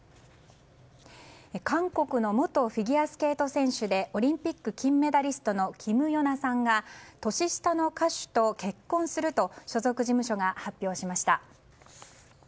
韓国の元フィギュアスケート選手でオリンピック金メダリストのキム・ヨナさんが年下の歌手と結婚すると所属事務所が発表しました。